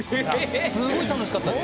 すごい楽しかったです。